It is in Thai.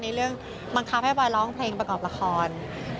เรื่องบังคับให้บอยร้องเพลงประกอบละคร